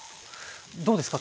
どうですか？